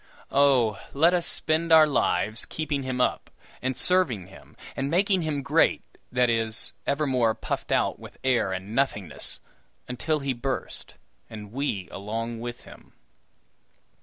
Oh, let us spend our lives keeping him up, and serving him, and making him great that is, evermore puffed out with air and nothingness until he burst, and we along with him!